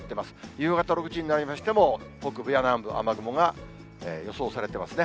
夕方６時になりましても、北部や南部、雨雲が予想されてますね。